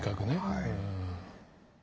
はい。